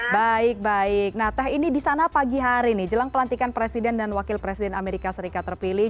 baik baik nah teh ini di sana pagi hari nih jelang pelantikan presiden dan wakil presiden amerika serikat terpilih